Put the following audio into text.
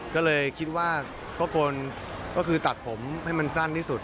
ก็เลยคิดว่าก็โกนก็คือตัดผมให้มันสั้นที่สุด